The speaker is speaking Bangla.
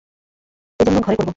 এজন্য ঘরে করব।